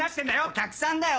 お客さんだよ！